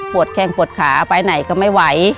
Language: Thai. แข้งปวดขาไปไหนก็ไม่ไหว